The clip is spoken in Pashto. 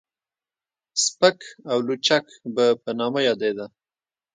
سپک او لچک به په نامه يادېده.